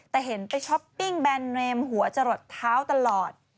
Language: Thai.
แต่เห็นไปช้อปปิ้งแบรนดเรมหัวจะหลดเท้าตลอด